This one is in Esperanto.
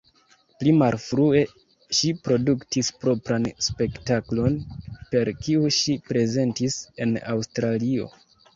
Pli malfrue ŝi produktis propran spektaklon, per kiu ŝi prezentis en Aŭstralio.